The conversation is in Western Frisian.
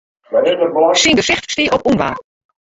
Syn gesicht stie op ûnwaar.